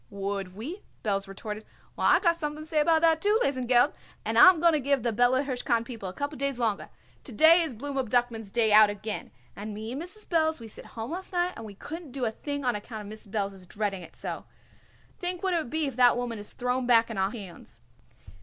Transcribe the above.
"Would we?" Belz retorted. "Well, I got something to say about that, too, Lesengeld, and I'm going to give the Bella Hirshkind people a couple days longer. To day is Blooma Duckman's day out again, and me and Mrs. Belz we sit home last night and we couldn't do a thing on account Mrs. Belz is dreading it so. Think what it would be if that woman is thrown back on our hands."